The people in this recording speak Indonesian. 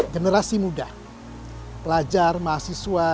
generasi muda pelajar mahasiswa